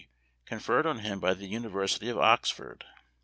conferred on him by the University of Oxford.